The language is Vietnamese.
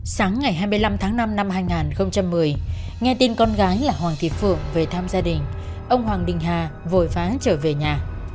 sáng ngày hai mươi năm tháng năm năm hai nghìn một mươi nghe tin con gái là hoàng thị phượng về thăm gia đình ông hoàng đình hà vội vã trở về nhà